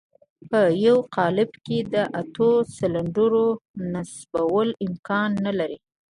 په يوه قالب کې د اتو سلنډرو نصبول امکان نه لري.